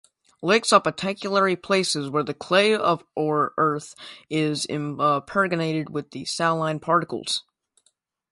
Licks are particular places where the clay or earth is impregnated with saline particles.